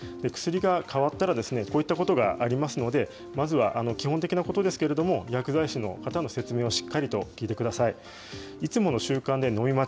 薬が変わったらですね、こういったことがありますので、まずは基本的なことですけれども、薬剤師の方の説明をしっかりと聞いてください。